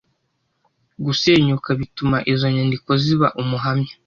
gusenyuka bituma izo nyandiko ziba umuhamya